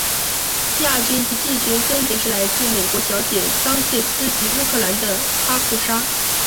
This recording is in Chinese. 亚军及季军分别是来自美国小姐的桑切斯及乌克兰的哈库沙。